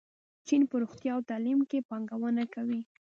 چین په روغتیا او تعلیم کې پانګونه کوي.